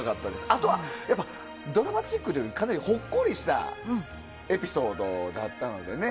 あとはドラマチックというよりかなりほっこりしたエピソードだったのでね。